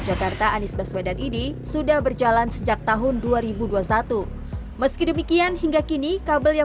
jakarta anies baswedan ini sudah berjalan sejak tahun dua ribu dua puluh satu meski demikian hingga kini kabel yang